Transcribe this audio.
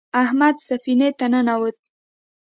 احمد سفینې ته ننوت.